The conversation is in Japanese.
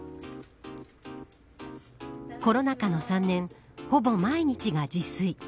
コロナ禍の３年ほぼ毎日が自炊。